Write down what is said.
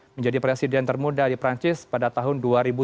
menjadi presiden termuda di perancis pada tahun dua ribu tujuh belas